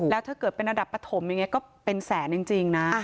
แล้วถ้าเกิดเป็นอันดับประถมก็เป็นแสนจริงนะ